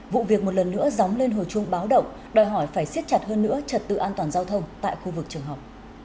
vụ việc một lần nữa dóng lên hồi chuông báo động đòi hỏi phải xiết chặt hơn nữa trật tự an toàn giao thông tại khu vực trường học